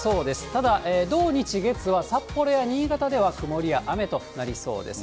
ただ、土日月は、札幌や新潟では曇りや雨となりそうです。